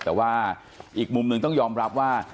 แต่ว่าอีกมุมหนึ่งต้องยอมรับว่า